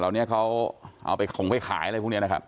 แล้วเนี่ยเขาเอาไปของไปขายเลยพรุ่งเนี้ยนะครับ